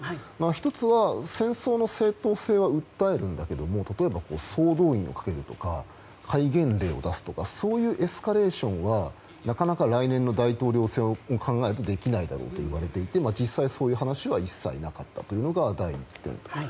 １つは、戦争の正当性を訴えるんだけれども例えば、総動員をかけるとか戒厳令を出すとかそういうエスカレーションはなかなか来年の大統領選を考えるとできないだろうといわれていて実際、そういう話は一切なかったというのが１点。